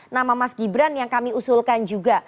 nama mas gibran yang kami usulkan juga